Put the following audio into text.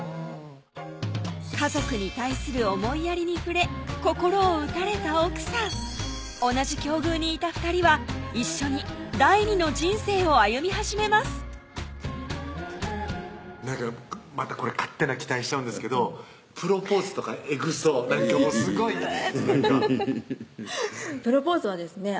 家族に対する思いやりに触れ心を打たれた奥さん同じ境遇にいた２人は一緒に第二の人生を歩み始めますなんかまたこれ勝手な期待しちゃうんですけどプロポーズとかえぐそうなんかすごいプロポーズはですね